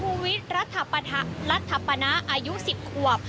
ภูมิรัฐพณะอายุ๑๐ควบ